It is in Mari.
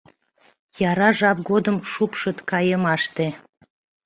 Яра жап годым шупшыт кайымаште